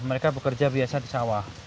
mereka bekerja biasa di sawah